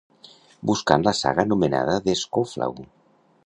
Buscant la saga anomenada The Scofflaw.